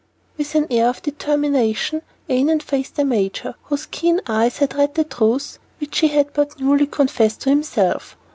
With an air of determination Annon faced the major, whose keen eyes had read the truth which he had but newly confessed to himself.